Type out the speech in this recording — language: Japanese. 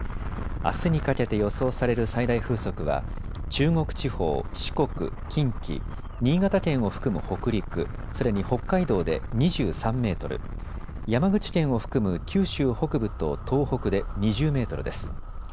あすにかけて予想される最大風速は中国地方、四国、近畿、新潟県を含む北陸、それに北海道で２３メートル、山口県を含む九州北部と東北で２０メートルです。